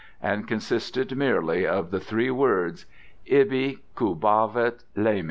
and consisted merely of the three words IBI CUBAVIT LAMIA.